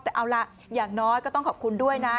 แต่เอาล่ะอย่างน้อยก็ต้องขอบคุณด้วยนะ